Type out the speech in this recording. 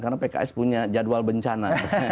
karena pks punya jadwal bencana